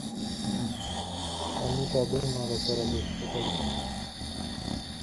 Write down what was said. জন্মদিন, বিয়ে, বিবাহবার্ষিকী আছে।